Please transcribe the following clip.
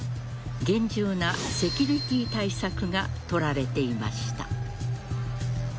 厳重なセキュリティー対策が取られていました。